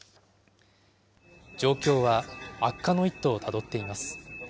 状況は悪化の一途をたどっています。